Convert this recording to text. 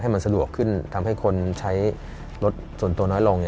มันสะดวกขึ้นทำให้คนใช้รถส่วนตัวน้อยลง